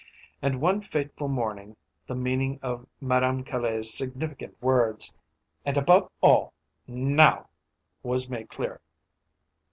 And one fateful morning the meaning of Madame Caille's significant words "and above all, now!" was made clear.